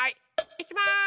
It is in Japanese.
いきます。